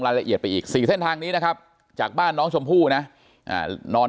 ละเอียดไปอีก๔เส้นทางนี้นะครับจากบ้านน้องชมพู่นะนอน